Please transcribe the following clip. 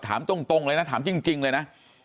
ถามตรงเลยนะถามจริงเลยนะ